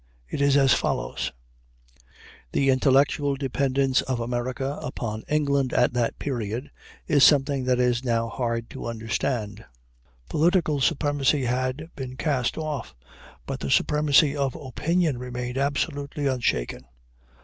It is as follows: "The intellectual dependence of America upon England at that period is something that it is now hard to understand. Political supremacy had been cast off, but the supremacy of opinion remained absolutely unshaken.